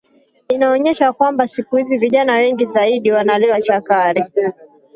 inaonyesha kwamba siku hizi vijana wengi zaidi wanalewa chakari